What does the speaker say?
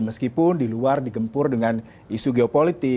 meskipun di luar digempur dengan isu geopolitik